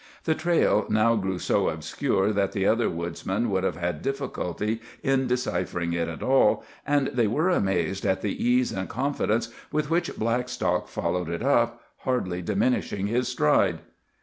The trail now grew so obscure that the other woodsmen would have had difficulty in deciphering it at all, and they were amazed at the ease and confidence with which Blackstock followed it up, hardly diminishing his stride.